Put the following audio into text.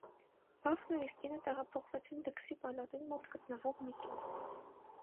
Բախն ու իր կինը տեղափոխվեցին դքսի պալատին մոտ գտնվող մի տուն։